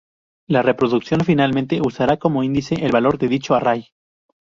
La reproducción finalmente usará como índice, el valor de dicho array.